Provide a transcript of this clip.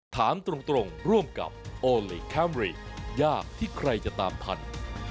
ถามตรงร่วมกับโอลี่คัมรี่ยากที่ใครจะตามทัน